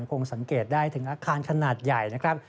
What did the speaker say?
คงสังเกตได้ถึงอาคารขนาดใหญ่นะครับ